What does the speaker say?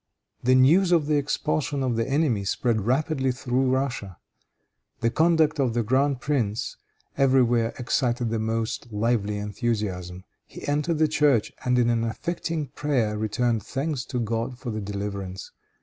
The news of the expulsion of the enemy spread rapidly through Russia. The conduct of the grand prince everywhere excited the most lively enthusiasm. He entered the church, and in an affecting prayer returned thanks to God for the deliverance.